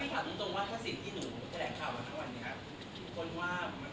แต่ว่า